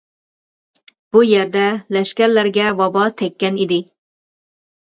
بۇ يەردە لەشكەرلەرگە ۋابا تەككەن ئىدى.